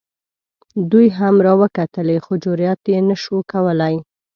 دوی هم را وکتلې خو جرات یې نه شو کولی.